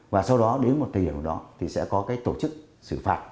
và sau đó đến một thời điểm đó thì sẽ có cái tổ chức xử phạt